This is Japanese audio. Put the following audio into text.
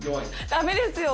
だめですよ。